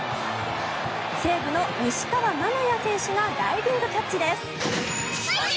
西武の西川愛也選手がダイビングキャッチです。